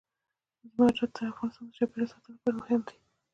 زمرد د افغانستان د چاپیریال ساتنې لپاره مهم دي.